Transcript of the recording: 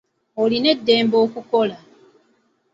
Olina eddembe okukola.